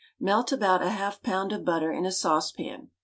Melt about a half pound of butter in a sauce pan.